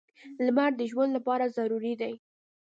• لمر د ژوند لپاره ضروري دی.